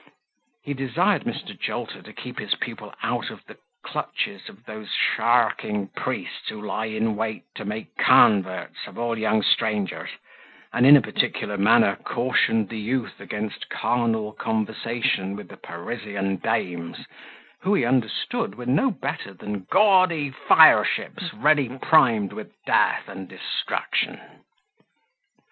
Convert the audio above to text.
He desired Mr. Jolter to keep his pupil out of the clutches of those sharking priests who lie in wait to make converts of all young strangers, and in a particular manner cautioned the youth against carnal conversation with the Parisian dames, who, he understood, were no better than gaudy fire ships ready primed with death and destruction.